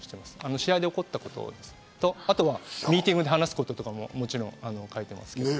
試合で起こったことと、あとはミーティングで話す事とかも、もちろん書いてますけど。